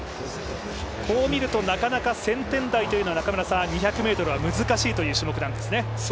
こう見るとなかなか１０００台というのは２００ｍは難しいという種目なんですね。